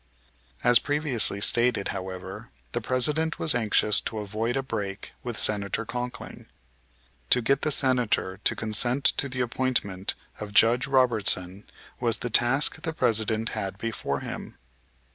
As previously stated, however, the President was anxious to avoid a break with Senator Conkling. To get the Senator to consent to the appointment of Judge Robertson was the task the President had before him.